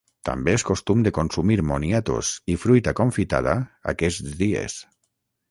També és costum de consumir moniatos i fruita confitada aquests dies.